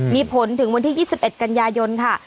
มีผลถึงวันที่๒๑กันยายนค่ะ